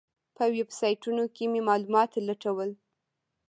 په ویبسایټونو کې مې معلومات لټول.